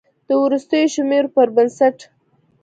د وروستیو شمیرو پر بنسټ